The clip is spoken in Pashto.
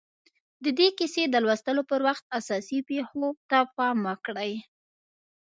د دې کیسې د لوستلو پر وخت اساسي پېښو ته پام وکړئ